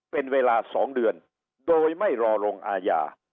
เป็นเวลา๒เดือนโดยไม่รอลงอาญา